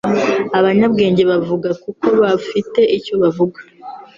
Abanyabwenge bavuga kuko bafite icyo bavuga